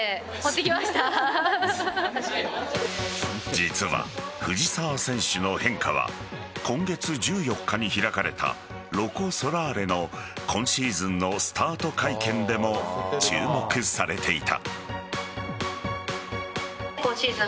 実は藤澤選手の変化は今月１４日に開かれたロコ・ソラーレの今シーズンのスタート会見でも注目されていた。